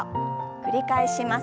繰り返します。